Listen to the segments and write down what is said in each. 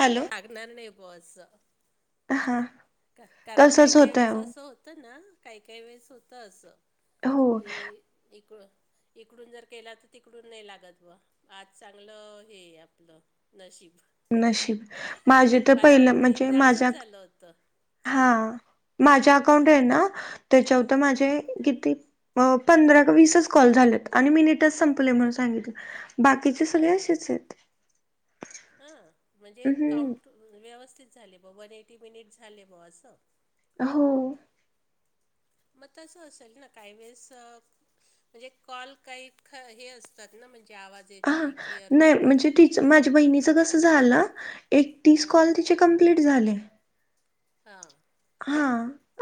Hello लागणार नाही boss. हा का कारण काय तसच काही होतय वेळेस असं होतं ना. काही काही वेळेस होतं असं हो की इक इकडून जर केला तर तिकडून नाही लागत ब आज चांगलं हे आपलं नशीब. नशीब माझे तर मला पहिलं वाटतं म्हणजे एकदा माझ्या असंच झालं होतं हां हा. माझ्या अकाउंट आहे ना त्याच्यावर तर हां माझे किती? पंधरा का वीसच कॉल झालेत आणि मिनिटच संपले म्हणून सांगितलं. बाकीचे सगळे अरे असेच आहेत. हां म्हणजे हम्म काउंट व्यवस्थित झाले बॉ वन एटी मिनिट्स झाले बॉ असं. हो. मग तसं असेल ना काही वेळेस म्हणजे कॉल काही ख हे असतात ना म्हणजे आवाज येत नाही, क्लिअर होत नाही. ते वहिनीच कस झालं? एक तीस हां कॉल तिचे कंप्टलित झाले. हां. हा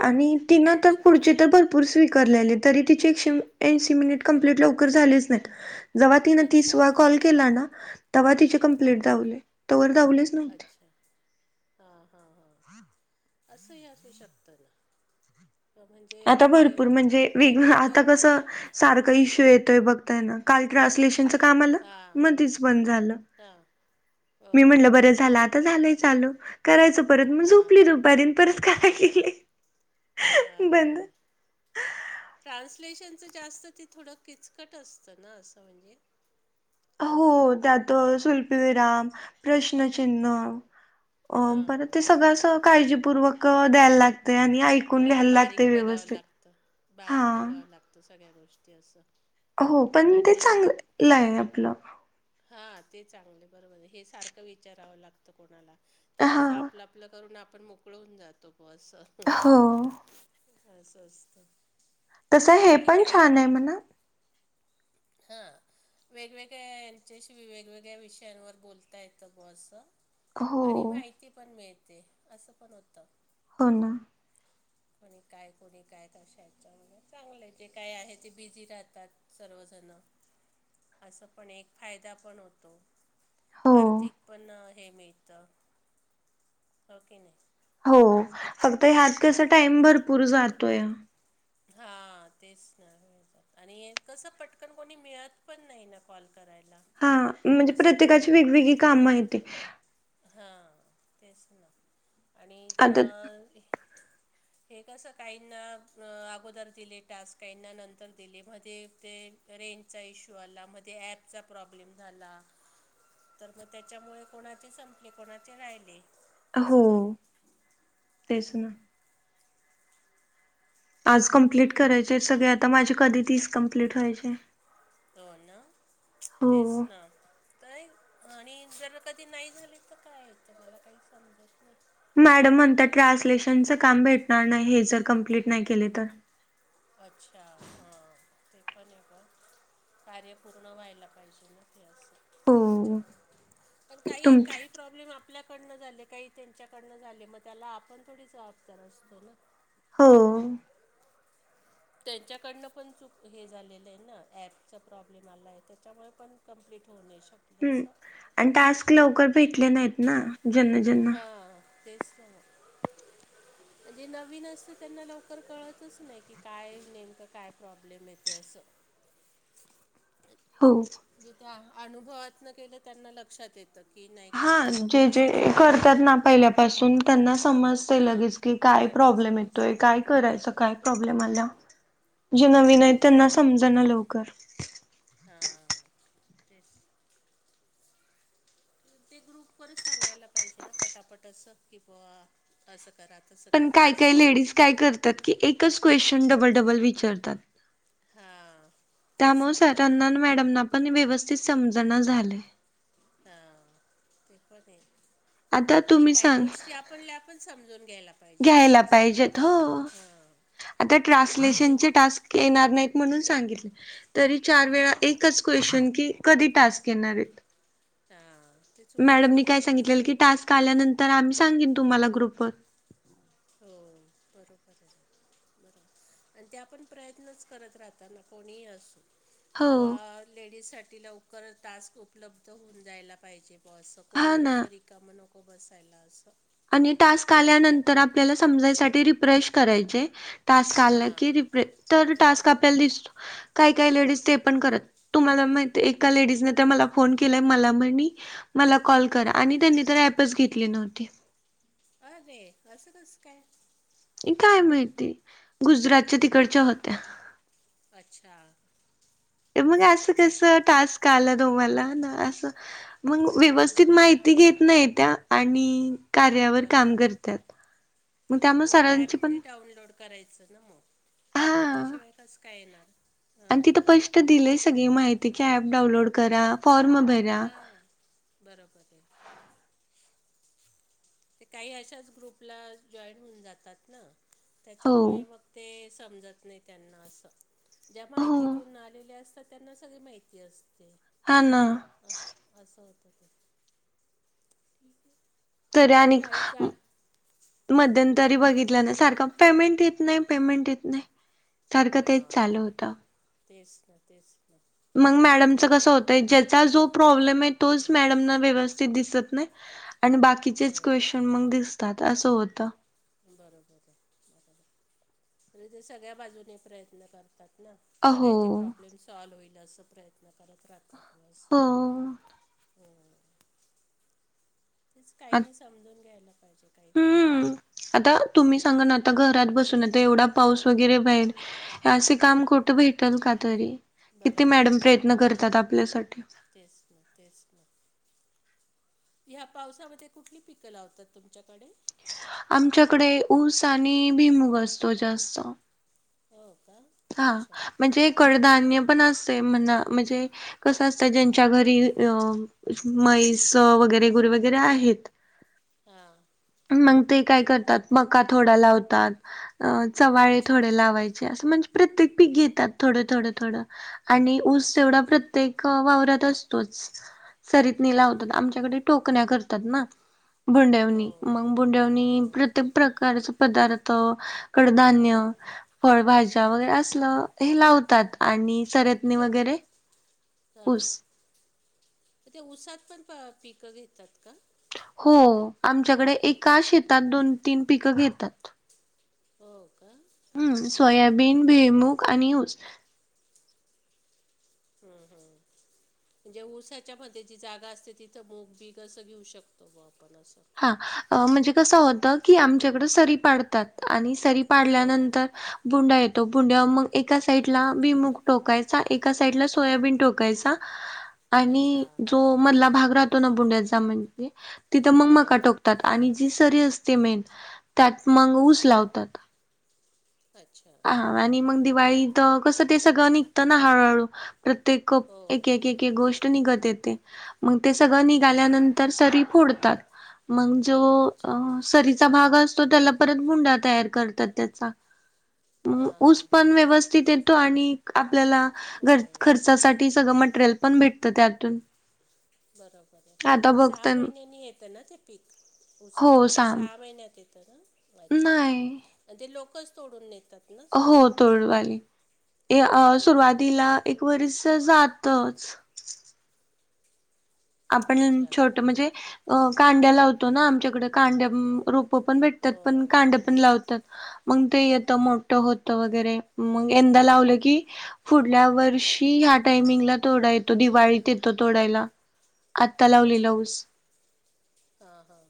आणि तिनं तर अच्छा पुढची तर भर. भरपूर स्वीकारलेलेत तरी तिचे एकशे ऐंशी मिनिट लवकर कंप्लिट लवकर झालेच नाही. [unintelligible] जव्हा तिन अच्छा तीसवा कॉल केला ना तेव्हा तिचे हां कंप्लेट दावले तवर दावलेच नव्हते. हा. हा. हा. असंही असू शकत ना. [unintelligible] म्हणजे आता ते भरपूर म्हणजे काही वेग वेळेस आता कमी कसं? [unintelligible] सारख इश्यू येतोय बघताय ना काल ट्रान्सलेशनच [unintelligible] काम आलं हां मध्येच बंद झालं. हां हो मी म्हणलं ना बरं झालं आता झालंय चालू करायचं परत मग हां झोपली हां दुपारी परत काय हहहह [unintelligible] आरे. [unintelligible] ट्रान्सलेशनचं जास्त ते थोडं किचकट असतं ना असं म्हणजे [unintelligible] हो त्यात स्वल्पविराम, प्रश्नचिन्ह [unintelligible] अ परत ते हां सगळं काळजीपूर्वक द्यायला लागतय आणि ऐ [unintelligible] हं बारीक बघावं लागतं. हा बारीक बघावं लागतं सगळ्या गोष्टी असं. [unintelligible] हो, पण ते चांगलं आहे आपलं. हा ते चांगले बरोबर हे सारखं विचारावं लागतं कोणाला. [unintelligible] ते हा कसं आपलं आपलं करून आपण मोकळ होऊन जातो बॉ असं. हो. [unintelligible] अस असत. [unintelligible] तसं हे पण छान आहे म्हणा. [unintelligible] हा. [unintelligible] वेगवेगळ्या यांच्याशी, वेगवेगळ्या विषयांवर बोलता येतं बॉ असं. [unintelligible] हो आणि माहिती पण मिळते. असं पण होतं. [unintelligible] हो ना. [unintelligible] कोणी काय? कोणी काय? तशा ह्याच्यावर चांगलं आहे जे काय आहे ते बिझी राहतात सर्वजण [unintelligible] असं पण एक फायदा पण होतो. [unintelligible] हो आर्थिक पण हे मिळत. हो की नाही? [unintelligible] हो. फक्त ह्यात कस टाइम भरपूर जातोय. [unintelligible] हा. तेच ना. [unintelligible] आणि कसं पटकन कोणी मिळत पण नाही ना कॉल करायला. [unintelligible] हा म्हणजे असं पण प्रत्येकाची होतं वेगवेगळी कामं येत. [unintelligible] हां तेच ना आणि आता [unintelligible] हे कसं काहींना अगोदर दिले टास्क काहींना नंतर दिले मध्ये ते ते रेंजचा इश्यू आला, मध्ये ॲपचा प्रॉब्लेम झाला. [unintelligible] तर मग त्याच्यामुळे कोणाचे संपले, कोणाचे राहिले. [unintelligible] हो. झालं तेच ना. [unintelligible] आज कमप्लीट करायचे सगळे आता, माझे कधी तीस कंप्लीट व्हायचे? [unintelligible] हो ना. [unintelligible] तेच हो. ना तर आणि जर कधी नाही झाले तर काय? [unintelligible] मला काही समजत नाही. [unintelligible] मॅडम म्हणता ट्रान्सलेशनचं काम भेटणार नाही हे जर कंप्लीट नाही केले तर [unintelligible] अच्छा हां ते पण आहे [unintelligible] कार्य पूर्ण व्हायला पाहिजे ना ते अस हो त्यांच्यामुळे पण काही, तुमचे काही प्रॉब्लेम आपल्याकडनं झाले काही त्यांच्याकडनं झाले मग त्याला आपण थोडी जबाबदार असतो ना. हो. [unintelligible] त्यांच्याकडनं पण चूक हे झालेलं आहे ना ॲपचा प्रॉब्लेम आला आहे त्याच्यामुळे पण [unintelligible] कंप्लीट होऊ नाही शकत. [unintelligible] हम्म आणि टास्क लवकर भेटले नाहीत ना. [unintelligible] ज्यांना हां तेचत म [unintelligible] म्हणजे नवीन असते त्यांना लवकर कळतच नाही की काय नेमकं काय प्रॉब्लेम येते असं [unintelligible] [inaudible] [unintelligible] एक [unintelligible] [unintelligible] हो. [unintelligible] जे त्या आनुभवातनं केलं त्यांना लक्षात ये त कि नाय. हां जे जे करतात ना पहिल्या पासून त्यांना समजते हां लगेच की काय त्यांना प्रॉब्लेम येतोय समजतं काय करायच काय प्रॉब्लेम आल्याव जे नवीन आहे बरोबर त्यांना समजना लवकर. हां तेस. ते ग्रुप वरच सांगायला पाहिजे ना पटापट असं कि बुवा आसं करा तसं पण करा काय काय आसं लेडीज काय करतात की एकच क्वेश्चन् डबल डबल विचारतात. हा. त्यामुळं सरांना आणि मॅडमना पण व्यवस्थित समजना झालंय. हां ते पण आहे आता नाई तुम्ही काही सांग गोष्टी आ पल्या आपण समजून घ्यायला पाहिजे घ्यायला असं असतं ते पाहिजेत हो. हां आता प्रत्येक ट्रान्सलेशनचे टास्क येणार नाहीत म्हणून सांगितलं. तरी चार वेळा एकच क्वेशन की कधी टास्क येणारेत. सा ते. चुकीचं मॅडमनी आहे काय ना मग सांगितलेलं की असं टास्क आल्यानंतर आम्ही सांगीन तुम्हाला ग्रुपवर. हो बरोबर आहे. बरोबर आणि त्या आपण प्रयत्नच करत राहता ना कोणीही असू. कि हो बुवा लेडीज साठी लवकर टास्क उपलब्ध होऊन द्यायला पाहिजे. असं कोणी हा ना नुसत रिकाम नको बसायला आसं. आणि टास्क आल्यानंतर आपल्याला समजायसाठी रिफ्रेश करायचे. टास्क आलं की हां रिप्रे तर हां टास्क हां आपल्याला दिसतो. काय काय लेडीज ते पण करत तुम्हाला माहिते आहे एका लेडीजने त मला फोन केला मला म्हणी मला कॉल करा हां आणि त्यांनी त ॲपच घेतली नव्हती. अरे असं कसं काय? काय माहिती गुजरातच्या तिकडच्या होत्या. अच्छा‌. त्या म्हणे आसं कसं टास्क आलं ना मला ना आसं. मंग हां व्यवस्थित हां माहिती घेत नाही त्या आणि कार्यावर काम करतात. मग त्यामुळे आगोदर ऍप सरांची तरी पण डाउनलोड करायचं ना म त्या च्याशिवाय कसं काय येणार. आनं हां तिथं पष्ट दिलेय सगळी माहिती की ऍप डाऊनलोड करा फॉर्म भर हां बरोबर आहे. ते काही अशाच ग्रुपला जॉईन होऊन जातात ना. हो त्याच्यामुळे मग ते समजत नाही त्यांना असं ज्या हो माहितीतून आलेल्या अस त त्यांना सगळी माहिती असते. आन्. आस आसं होत ते. ह [inaudible] तरी आणिक मध्यंतरी बघितल्या ना सारखं पेमेंट येत नाही पेमेंट येत नाही. सारखं तेच चालू होतं. तेस ना तेस ना. मंग मॅडमच कसं नाही होतंय ज्याचा जो प्रॉब्लेम आहे तोच मॅडमना व्यवस्थित दिसत नाही आणि बाकीचेच हं, हं. क्वेश्चन मंग दिस तात आसं होतं. बरोबर आहे तरी ते सगळ्या बाजूनी प्रयत्न करतात. ना अहो सगळ्यांचे प्रॉब्लेम सॉल होईल असं प्रयत्न करत राहतात. नाही सो. हो हो. तेच आ काहीनी समजून घ्यायला पाहिजे काही गोष्टी. हम्म आता तुम्ही सांगा ना आता घरात बसून आता एवढा पाऊस वगैरे बाहेर असे काम कुठं भेटेल का तरी? किती बरोबर आहे मॅडम ना प्रयत्न करतात आपल्यासाठी. तेच ना, तेच ना. ह्या पावसामध्ये कुठली पिकं लावतात तुमच्याकडे? आमच्याकडे ऊस आणि भिमूग असतो जास्त. हो का. हा. अच्छा म्हणजे कडधान्य पण असते म्हणा. म्हणजे - - कसं असतंय ज्यांच्या घरी म्हैस वगैरे गुर वगैरे आहेत - - हा. मग ते काय करतात. मका थोडा लावतात. अ - - चवाळे अच्छा थोडे लावायचे, असं म्हणजे प्रत्येक पीक घेतात थोडं, थोडं, थोडं. आणि ऊस अच्छा तेवढा अच्छा प्रत्येक वावरात असतोच सरीतनी हम्म, लावतात. हम्म. आमच्याकडे टोकण्या करतात ना. हो बोंड्यावनी मग बोंड्यावनी हो - - प्रत्येक प्रकारचे पदार्थ, कडधान्य फळभाज्या वगैरे असलं हे लावतात. आणि मग सरतनी ते वगैरे ऊस. तर त्या ऊसात पण प पिकं घेतात का? हो. आमच्याकडे एका शेतात दोन तीन पिकं घेतात. हो का. हम्. अच्छा हम्म, सोयाबीन, भुईमूग आणि ऊस. हम्म, हम्. म्हणजे ऊसाच्या मध्ये जी जागा असते. तिथं मुग बीग असं घेऊ शकतो म आपण असं. हा म्हणजे कस होत की आमच्याकड सरी पाडतात. आणि सरी हो पाडल्यानंतर बुंडा येतो. बुंड्या मग एका साईडला भुईमुूग टोकायचा. एका साइडला सोयाबीन टोकायचा. अच्छा आणि जो मधला भाग राहतो ना बुंड्याचा म्हणजे तिथं मग मक- - हां हां का घालतात, आणि जी सरी असते मेन त्यात मग ऊस लावतात. अच्छा हा हां आणि हां मग दिवाळी कसं ते सगळं निघतं ना हळूहळू प्रत्येक हो एकेक एकेक गोष्ट - - निघत येते. म सगळ हां निघाल्यानंतर सरी फोडतात. जो अ अच्छा सरीचा भाग असतो त्याला परत बुंडा तयार करतात त्याचा. अ हां ऊस हां पण व्यवस्थित येतो आणि आपल्याला - - हो घर खर्चासाठी सगळं मटेरियल पण भेटतं त्यातून. बरोबरये. आता बघत सहा महिन्यानी येत ना ते पीक. हो उसाचं पीक साम सहा महिन्यात येतं ना. अच्छा. नाही. ते लोकच तोडून नेतात. ना हो. सगळं? तोडवाली, ए अ हं, हं. सुरुवातीला एक वरीस जातच. आपण अच्छा. छोट म्हणजे अ कांड्या लावतो ना. आमच्याकडे कांड्या रोप - - रोप पण हो, भेटत्यात, पण कांड्या हो. पण लावतात. मग ते येतं. मोठ होतं वगैरे, मग यंदा लावलं की - - पुुढल्या वर्षी ह्या टायमिंगला तोडा येतो. दिवाळीत येतो तोडायला. आत्ता लावलेला अच्छा, ऊस. हा, हा.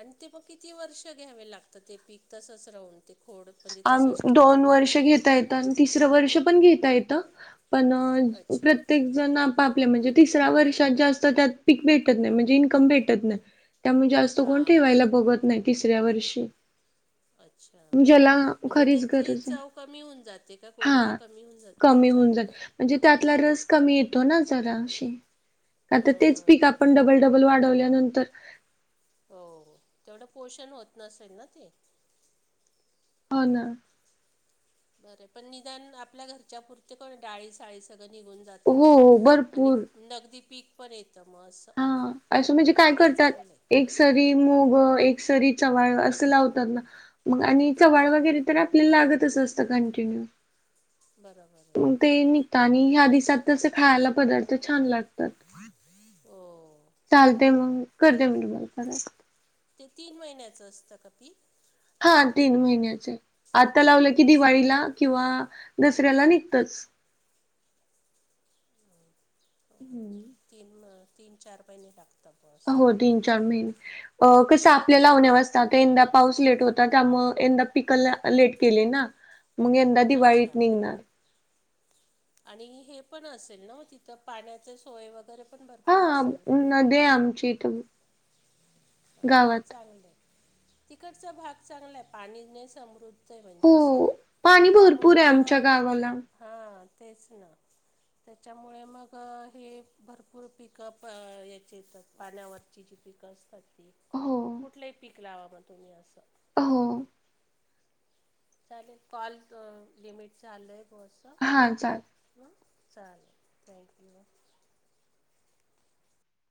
आणि ते मग किती वर्ष घ्यावे लागत? ते पीक तसच रावुन ते खोड. म्हणजे आम तसंच ठेवून? दोन वर्ष घेता ये त. तिसरं वर्ष पण घेता येत. पण अच्छा. प्रत्येक - - जण आपापल म्हणजे तिसऱ्या वर्षात जास्त त्यात पीक भेटत नाही म्हणजे इन्कम भेटत नाही. त्यामुळं जास्त कोण हां, हां. ठेवायला बघत नाही तिसऱ्या वर्षी. अच्छा! ज्याला [inaudible] म्हणजे खरीच त्याची गरज आहे चव कमी होऊन जाते का गोडबा हा कमी होऊन जातो कमी त्याचा होऊन जाईल म्हणजे त्यातला रस कमी येतो ना जरा अे आता हं, तेच हं, पीक हं. आपण डबल, डबल वाढवल्यानंतर हो तेवढं पोषण होत नसेल ना ते हो ना बर पण निदान आपल्या घरच्या पुुरते काय डाळी साळी सगळं निघून जातं हो आणि भरपूर नगदी पीक पण येत मस् हा असं म्हणजे काय करतात आहे एक सरी मुग, एक सरी चवाळ, असं लावतात ना मग आणि चवाळ वगैरे, हां तर आपल्याला लागतच असतं कंटिन्यू बरोबर आहे मग ते निघता आणि ह्या दिवसात तसे खायला पदार्थ छान लागतात. [inaudible] हो चालतय मग करते मी मग लगेच परत ते तीन महिन्याचं असतं ‌पिक हा तीन महिन्याचे आता लावलं की अच्छा दिवाळीला किंवा दसऱ्याला निघतच. हम्म. तीन, तीन, चार महिने लागतात बुवा असं हो तीन, मग चार महिने कसं आपल्या लावण्या वर असतं ता यंदा पाऊस लेट होता त्यामुळं यंदा पिक लेट केले ना मग यंदा अच्छा दिवाळीत निघणार. आणि हे पण असेल ना तिथं पाण्याचे सोय वगैरे, पण भरपूर हा असेल ना नदी आहे आमची इथ हा मग गावात. चांगलंय तिकडचा भाग चांगलाय पाणी नी समृद्ध म्हणजे हो असं पाणी त्यामुळे भरपूर आहे आमच्या तर गावाला. हा तेच ना त्याच्यामुळे मुळ हे भरपूर पिकं याचे येतात पाण्यावरची जी पिकं हो [inaudible] कुठलंही लावा मग तुम्ही असं हो चालेल कॉल लिमिटच झालय बस? हा चालत ठेवू चालेल थँक्यू